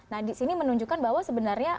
nah disini menunjukkan bahwa sebenarnya